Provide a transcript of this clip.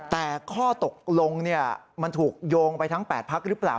แต่ข้อตกลงมันถูกโยงไปทั้ง๘พักหรือเปล่า